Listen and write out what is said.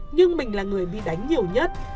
nhưng mình là người bị đánh nhiều nhất